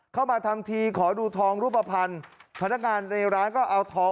เข้ามาทำทีขอดูทองรูปภัณฑ์พนักงานในร้านก็เอาทอง